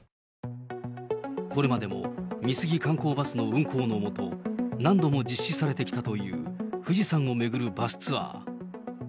これまでも美杉観光バスの運行の下、何度も実施されてきたという富士山を巡るバスツアー。